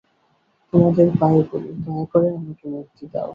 তোমাদের পায়ে পড়ি, দয়া করে আমাকে মুক্তি দাও।